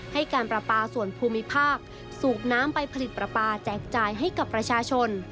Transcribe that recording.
ให้การประปาส่วนภูมิภาคสูบน้ำไปผลิตปลาปลาแจกจ่ายให้กับประชาชน